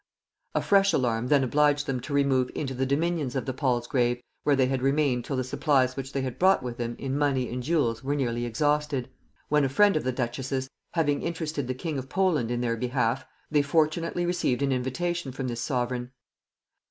A fresh alarm then obliged them to remove into the dominions of the Palsgrave, where they had remained till the supplies which they had brought with them in money and jewels were nearly exhausted; when a friend of the duchess's having interested the king of Poland in their behalf, they fortunately received an invitation from this sovereign.